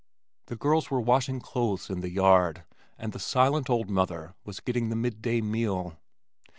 The girls were washing clothes in the yard and the silent old mother was getting the mid day meal.